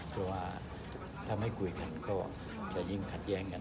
เพราะว่าถ้าไม่คุยกันก็จะยิ่งขัดแย้งกัน